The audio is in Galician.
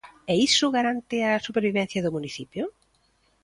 ¿E iso garante a supervivencia do municipio?